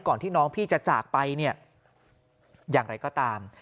ก่อนที่น้องพี่จะจากไปอย่างไรก็ตาม